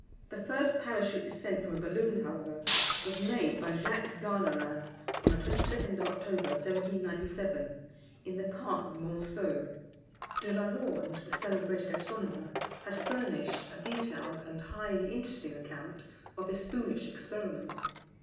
The first Parachute descent from a balloon, however, was made by Jacques Garnerin, on the 22nd of October, 1797, in the Park of Monceau. De la Lande, the celebrated astronomer, has furnished a detailed and highly interesting account of this foolish experiment.